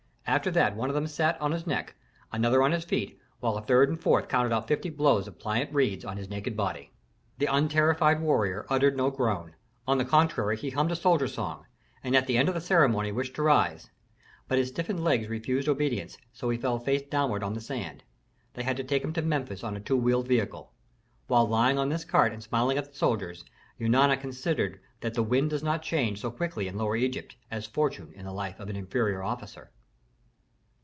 After that one of them sat on his neck, another on his feet, while a third and a fourth counted out fifty blows of pliant reeds on his naked body. The unterrified warrior uttered no groan; on the contrary, he hummed a soldier song, and at the end of the ceremony wished to rise. But his stiffened legs refused obedience, so he fell face downward on the sand; they had to take him to Memphis on a two wheeled vehicle. While lying on this cart and smiling at the soldiers, Eunana considered that the wind does not change so quickly in Lower Egypt as fortune in the life of an inferior officer.